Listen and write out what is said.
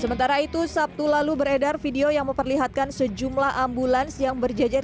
sementara itu sabtu lalu beredar video yang memperlihatkan sejumlah ambulans yang berjejer